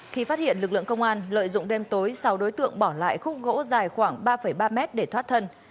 khi phát hiện lực lượng công an lợi dụng đêm tối sáu đối tượng bỏ lại khúc gỗ dài khoảng ba ba mét để thoát thân